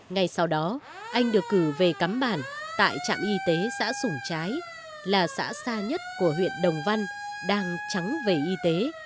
ngay sau đó anh được cử về cắm bản tại trạm y tế xã sủng trái là xã xa nhất của huyện đồng văn đang trắng về y tế